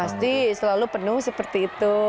pasti selalu penuh seperti itu